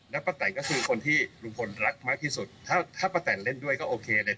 แล้วป้าแตนก็คือคนที่ลุงพลรักมากที่สุดถ้าถ้าป้าแตนเล่นด้วยก็โอเคเลย